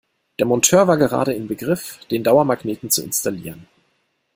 Der Monteur war gerade in Begriff, den Dauermagneten zu installieren.